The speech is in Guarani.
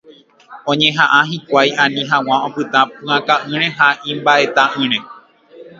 Oñeha'ã hikuái ani hag̃ua opyta pu'aka'ỹre ha imba'eta'ỹre.